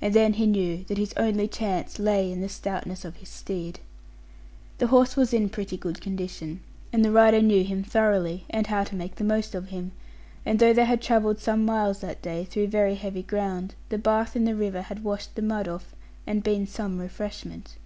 And then he knew that his only chance lay in the stoutness of his steed. The horse was in pretty good condition; and the rider knew him thoroughly, and how to make the most of him; and though they had travelled some miles that day through very heavy ground, the bath in the river had washed the mud off, and been some refreshment.